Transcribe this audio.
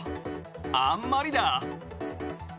あんまりだ。